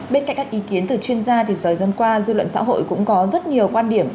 bên cạnh các ý kiến từ chuyên gia thì thời gian qua dư luận xã hội cũng có rất nhiều quan điểm